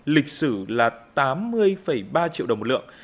lịch sử là tám mươi ba triệu đồng một lượng